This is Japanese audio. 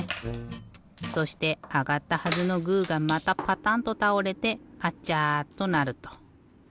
そしてあがったはずのグーがまたパタンとたおれてアチャとなると。